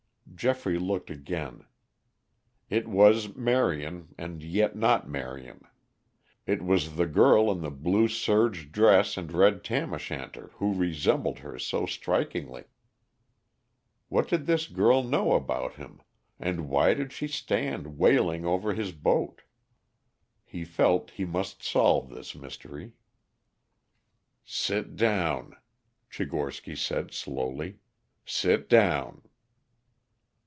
Geoffrey looked again. It was Marion and yet not Marion. It was the girl in the blue serge dress and red tam o' shanter who resembled her so strikingly. What did this girl know about him, and why did she stand wailing over his boat? He felt he must solve this mystery. "Sit down," Tchigorsky said slowly. "Sit down."